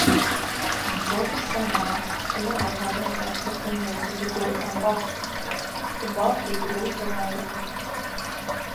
Boriss saņemies, te nevar tā vienkārši pa slimnīcas gultām valstīties, kad valstī grūti laiki!